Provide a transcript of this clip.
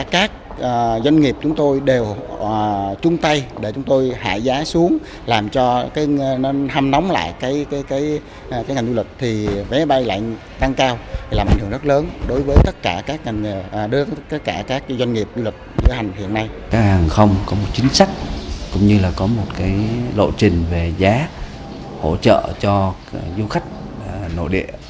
các hàng không có một chính sách cũng như là có một lộ trình về giá hỗ trợ cho du khách nội địa